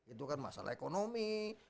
itu kan masalah ekonomi